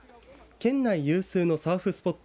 県内有数のサーフスポット